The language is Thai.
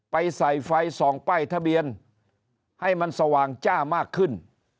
ไปใส่ไฟส่องป้ายทะเบียนให้มันสว่างจ้ามากขึ้น